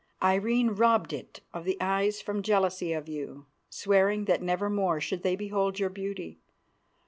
Irene robbed it of the eyes from jealousy of you, swearing that never more should they behold your beauty.